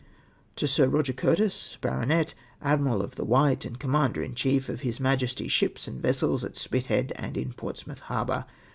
" To Sir Roger Curtis, Bart., Admiral of tlie White, and Coinmauder in cliief of his Majesty's ships and vessels at Spithead and in Ports moiTth Harbour.